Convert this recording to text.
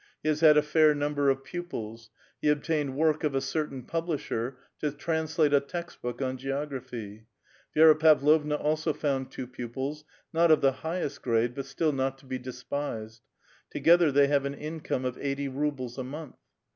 He has had a fair number of pupils ; he obtained work of a certain publisher, to translate a text book on geography. Vi6ra Pavlovna also found two pupils, not of the highest grade, but still not to be despised. Together they have an income of eighty rubles a month.